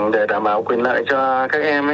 để đảm bảo quyền lợi cho các em